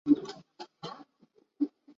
多彩榧螺为榧螺科榧螺属下的一个种。